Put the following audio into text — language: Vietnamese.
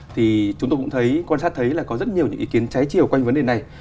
thì chúng tôi cũng thấy quan sát thấy là có rất nhiều những ý kiến trái chiều quanh vấn đề này